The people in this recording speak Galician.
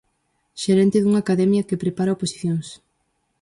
Xerente dunha academia que prepara oposicións.